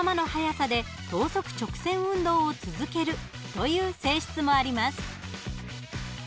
という性質もあります。